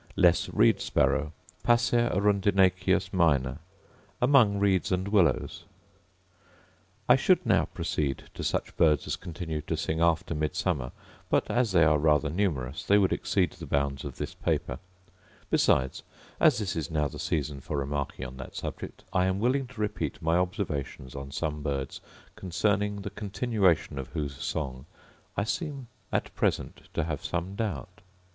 Less reed sparrow, Passer arundinaceus minor: Among reeds and willows. I should now proceed to such birds as continue to sing after Midsummer, but, as they are rather numerous, they would exceed the bounds of this paper: besides, as this is now the season for remarking on that subject, I am willing to repeat my observations on some birds concerning the continuation of whose song I seem at present to have some doubt.